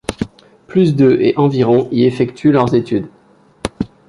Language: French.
Plus de et environ y effectuent leurs études.